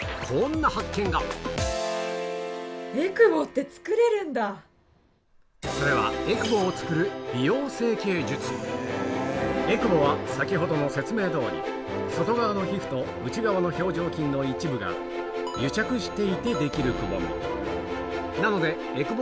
でさらにそれはエクボは先ほどの説明通り外側の皮ふと内側の表情筋の一部が癒着していてできるくぼみなのでエクボ